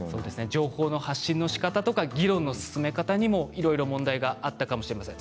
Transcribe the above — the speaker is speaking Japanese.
情報の発信のしかたや議論の進め方にもいろいろ問題があったかもしれません。